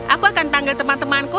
aku akan panggil temanku